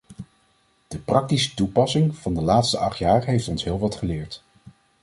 De praktische toepassing van de laatste acht jaar heeft ons heel wat geleerd.